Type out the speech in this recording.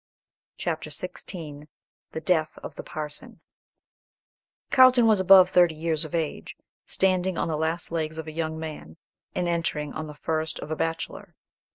CHAPTER XVI DEATH OF THE PARSON CARLTON was above thirty years of age, standing on the last legs of a young man, and entering on the first of a bachelor.